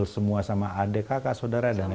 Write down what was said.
semua sama adik kakak saudara dan lain lain